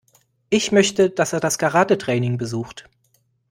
Ich möchte, dass er das Karatetraining besucht.